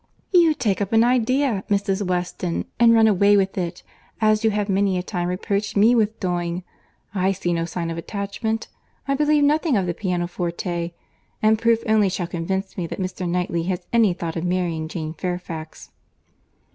"You take up an idea, Mrs. Weston, and run away with it; as you have many a time reproached me with doing. I see no sign of attachment—I believe nothing of the pianoforte—and proof only shall convince me that Mr. Knightley has any thought of marrying Jane Fairfax."